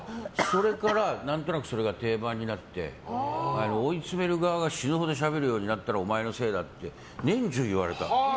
それから何となくそれが定番になって追い詰める側が死ぬほどしゃべるようになったのはお前のせいだって年中、言われた。